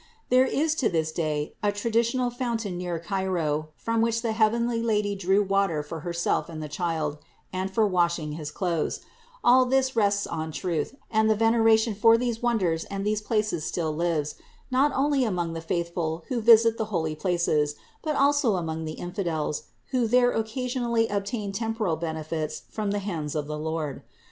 There is to this day a traditional fountain near Cairo from which the heavenly Lady drew water for Her self and the Child, and for washing his clothes; all this rests on truth and the veneration for these wonders and these places still lives, not only among the faithful who visit the holy places, but also among the infidels, who there occasionally obtain temporal benefits from the hands of the Lord.